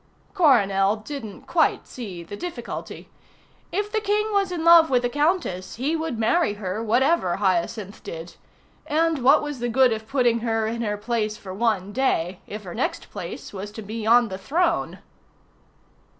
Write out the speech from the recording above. Coronel didn't quite see the difficulty. If the King was in love with the Countess, he would marry her whatever Hyacinth did. And what was the good of putting her in her place for one day if her next place was to be on the throne.